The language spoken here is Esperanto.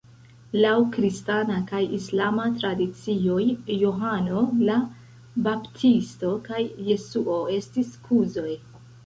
Laŭ kristana kaj islama tradicioj Johano la Baptisto kaj Jesuo estis kuzoj.